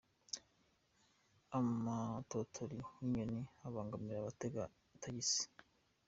Amatotori y’inyoni abangamiye abatega tagisi